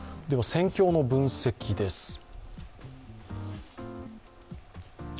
では戦況の分析です。